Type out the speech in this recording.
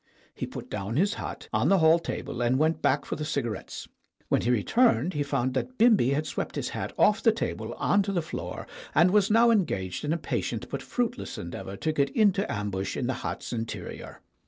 He put down his hat on the hall table and went back for the cigarettes. When he returned he found that Bimbi had swept his hat off the table on to the floor, and was now engaged in a patient but fruitless endeavor to get into ambush in the hat's interior.